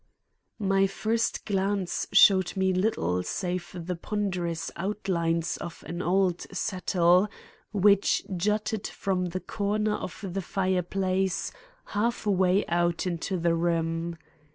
My first glance showed me little save the ponderous outlines of an old settle, which jutted from the corner of the fireplace half way out into the room.